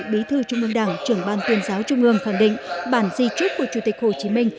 bí thư trung ương đảng trưởng ban tuyên giáo trung ương khẳng định bản di trúc của chủ tịch hồ chí minh